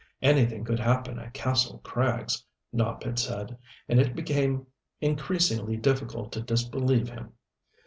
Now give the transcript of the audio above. Anything could happen at Kastle Krags, Nopp had said, and it became increasingly difficult to disbelieve him.